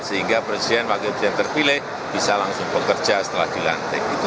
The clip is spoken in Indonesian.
sehingga presiden wakil presiden terpilih bisa langsung bekerja setelah dilantik